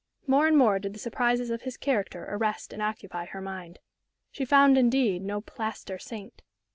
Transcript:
More and more did the surprises of his character arrest and occupy her mind. She found, indeed, no "plaster saint."